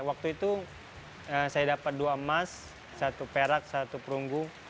waktu itu saya dapat dua emas satu perak satu perunggu